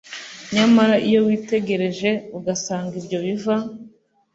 nyamara iyo witegereje usanga ibyo biva